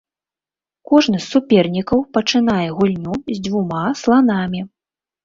Кожны з супернікаў пачынае гульню з дзвюма сланамі.